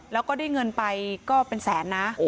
แล้วก็ได้เงินไปก็เป็นแสนนะ